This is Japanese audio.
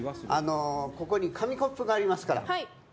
あのここに紙コップがありますから。